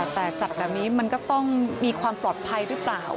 แต่จับแบบนี้มันก็ต้องมีความปลอดภัยหรือเปล่า